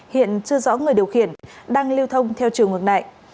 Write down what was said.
hiện chưa rõ người điều khiển đang lưu thông theo chiều ngược lại